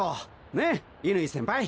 ねえ乾先輩！